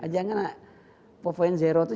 jangan pov itu